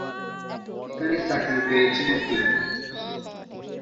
এখানে চাকরি পেয়েছি মতি।